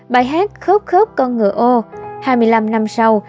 bài hát khớp khớp con ngựa ô hai mươi năm năm sau